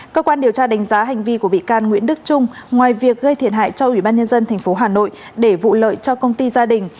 cơ quan điều tra đánh giá hành vi của bị can nguyễn đức trung ngoài việc gây thiệt hại cho ubnd tp hà nội để vụ lợi cho công ty gia đình